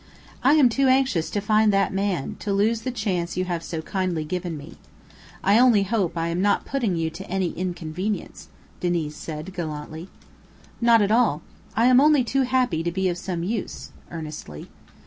"I am too anxious to find that man, to lose the chance you have so kindly given me. I only hope I am not putting you to any inconvenience," Diniz said, gallantly. "Not at all. I am only too happy to be of some use," earnestly.